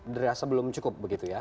terasa belum cukup